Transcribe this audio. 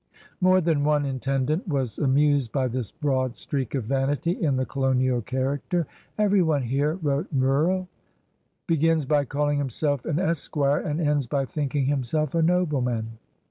More than one intendant was amused by this l;)road streak of vanity in the colonial character. "Every one here/* wrote Meulles, "begins by calling himself an esquire and ends by thinking himself a nobleman.